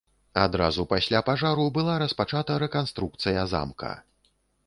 Адразу пасля пажару была распачата рэканструкцыя замка.